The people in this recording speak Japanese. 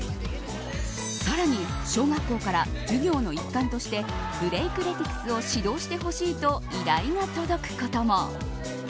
さらに小学校から授業の一環としてブレイクレティクスを指導してほしいと依頼が届くことも。